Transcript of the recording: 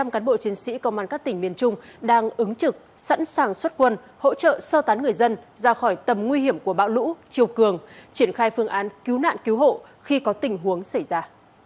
một trăm linh cán bộ chiến sĩ công an các tỉnh miền trung đang ứng trực sẵn sàng xuất quân hỗ trợ sơ tán người dân ra khỏi tầm nguy hiểm của bão lũ chiều cường triển khai phương án cứu nạn cứu hộ khi có tình huống xảy ra